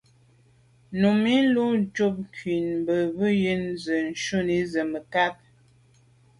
Númí lùcúp ŋkɔ̀k mbə̌ bū yə́nə́ shúnì zə̀ mə̀kát.